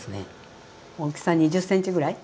大きさ２０ｃｍぐらい。